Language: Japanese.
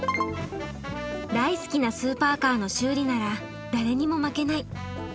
大好きなスーパーカーの修理なら誰にも負けない。